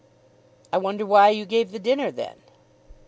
"I wonder why you gave the dinner then."